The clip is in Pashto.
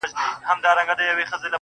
زړه لکه هينداره ښيښې گلي